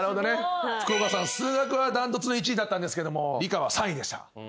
福岡さん数学は断トツの１位だったんですけども理科は３位でした。